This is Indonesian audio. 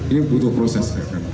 ini butuh proses